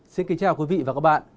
xin kính chào quý vị và các bạn